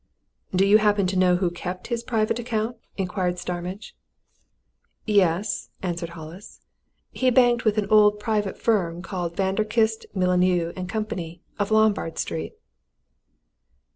"Do you happen to know who kept his private account?" inquired Starmidge. "Yes," answered Hollis. "He banked with an old private firm called Vanderkiste, Mullineau & Company, of Lombard Street."